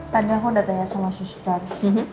tangga udah tanya sama sustas